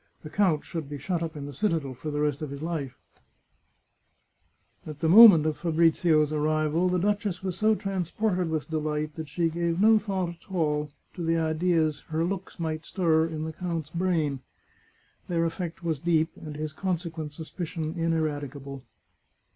The count should be shut up in the citadel for the rest of his life !" 138 The Chartreuse of Parma At the moment of Fabrizio's arrival, the duchess was so transported with deHght that she gave no thought at all to the ideas her looks might stir in the count's brain. Their effect was deep, and his consequent suspicion ineradicable.